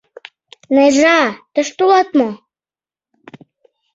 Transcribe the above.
— Найжа, тыште улат мо?